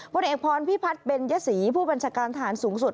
พลเอกพรพิพัฒน์เบญยศรีผู้บัญชาการทหารสูงสุด